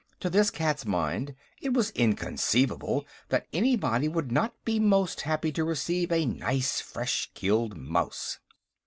To this cat's mind, it was inconceivable that anybody would not be most happy to receive a nice fresh killed mouse.